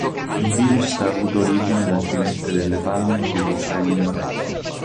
Il virus ha avuto origine da civette delle palme e pipistrelli infetti.